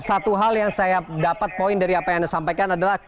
satu hal yang saya dapat poin dari apa yang anda sampaikan adalah